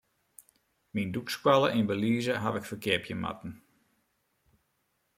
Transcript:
Myn dûkskoalle yn Belize haw ik ferkeapje moatten.